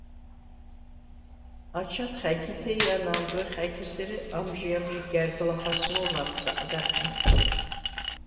აჩადხ ა̈გითე ი ანა̄მბვეხ ა̈გის, ერე ამჟი-ამჟი, გა̈რგლა ხასმო̄ლნახ საყდა̈რხა̈ნქა.